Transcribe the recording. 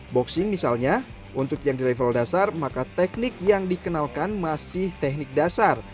boxing misalnya untuk yang di level dasar maka teknik yang dikenalkan masih teknik dasar